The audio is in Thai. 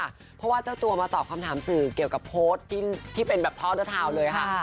เพราะว่าเจ้าตัวมาตอบคำถามสื่อเกี่ยวกับโพสต์ที่เป็นแบบท่อเดอร์ทาวน์เลยค่ะ